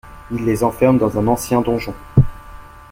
Il les enferment dans un ancien donjon.